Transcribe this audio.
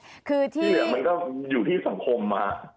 ที่เหลือมันก็อยู่ที่สังคมมา